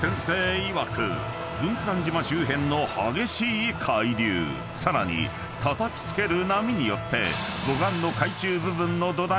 いわく軍艦島周辺の激しい海流さらにたたきつける波によって護岸の］